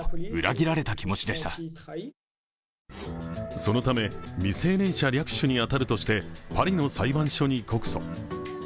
そのため未成年者略取に当たるとしてパリの裁判所に告訴。